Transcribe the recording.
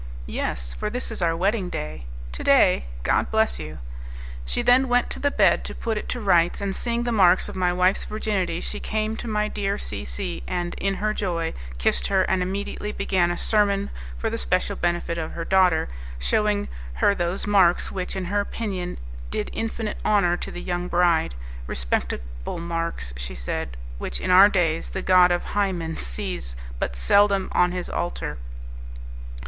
"Yes, for this is our wedding day." "To day? God bless you!" She then went to the bed, to put it to rights, and seeing the marks of my wife's virginity she came to my dear C C and, in her joy, kissed her, and immediately began a sermon for the special benefit of her daughter, shewing her those marks which, in her opinion, did infinite honour to the young bride: respectable marks, she said, which in our days the god of Hymen sees but seldom on his altar.